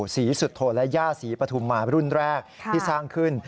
ศรีสุโธและย่าศรีปฐุมมารุ่นแรกที่สร้างขึ้น